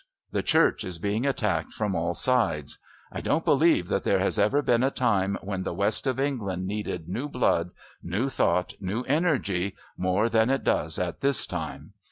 The Church is being attacked from all sides. I don't believe that there has ever been a time when the west of England needed new blood, new thought, new energy more than it does at this time.